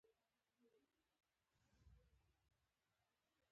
صحتمند زړه د ټول بدن قوت زیاتوي.